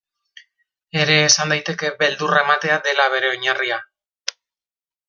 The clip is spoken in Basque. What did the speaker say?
Ere esan daiteke, beldurra ematea dela bere oinarria.